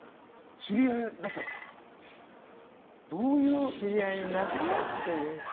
知り合いになったっていう。